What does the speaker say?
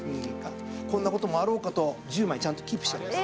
こんな事もあろうかと１０枚ちゃんとキープしてあります。